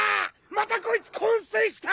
またこいつ昏睡した！